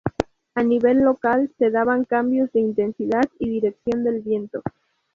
A nivel local, se daban cambios de intensidad y dirección del viento.